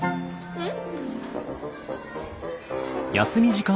うん。